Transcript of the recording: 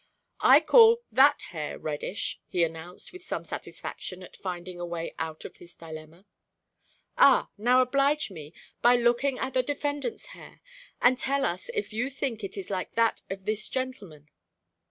"I call that hair reddish," he announced, with some satisfaction at finding a way out of his dilemma. "Ah now oblige me, by looking at the defendant's hair and tell us if you think it is like that of this gentleman."